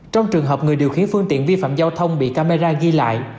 trong trường hợp người điều khiển phương tiện vi phạm giao thông bị camera ghi lại